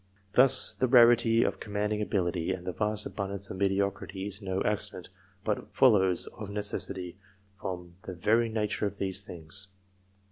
Thus, the rarity of commanding ability, and the vast abundance of mediocrity, is no accident, but follows of necessity, from the very nature of these things.